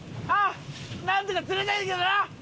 なんとか釣りたいんやけどな。